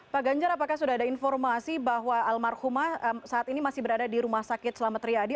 pak ganjar apakah sudah ada informasi bahwa almarhumah saat ini masih berada di rumah sakit selamat riyadi